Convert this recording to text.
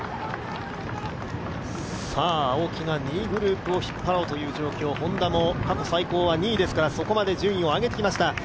青木が２位グループを引っ張ろうという状況、Ｈｏｎｄａも過去最高は２位ですからそこまで順位を上げてきました。